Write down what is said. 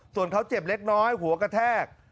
ส่วนเขาเจ็บเล็กน้อยหัวกระแทก